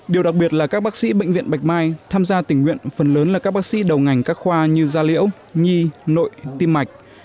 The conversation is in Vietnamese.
điều đặc biệt là các bác sĩ bệnh viện bạch mai tham gia tình nguyện phần lớn là các bác sĩ đầu ngành các khoa như da liễu nhi nội tim mạch